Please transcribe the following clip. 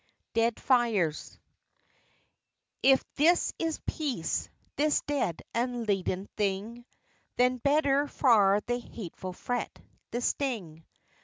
DEAD FIRES If this is peace, this dead and leaden thing, Then better far the hateful fret, the sting.